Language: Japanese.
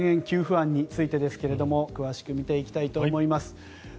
給付案についてですけれども詳しく見ていきたいと思います。